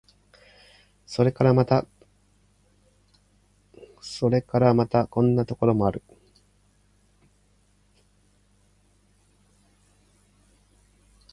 それからまた、こんなところもある。